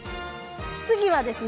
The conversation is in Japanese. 次はですね